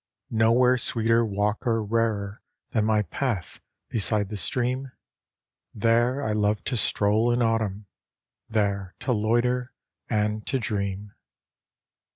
Nowhere sweeter walk or rarer Than my path beside the stream. There I love to stroll in autumn, There to loiter and to dream.